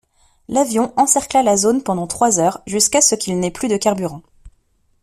L'avion encercla la zone pendant trois heures jusqu'à ce qu'il n'est plus de carburant.